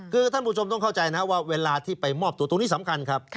คือท่านผู้ชมต้องเข้าใจนะว่าเวลาที่ไปมอบตัวตรงนี้สำคัญครับ